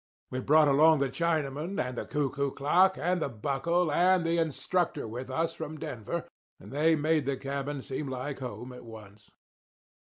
We brought along the Chinaman and the cuckoo clock and Buckle and the Instructor with us from Denver; and they made the cabin seem like home at once.